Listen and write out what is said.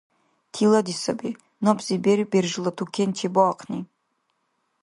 Тилади саби, набзи бер-бержла тукен чебаахъни.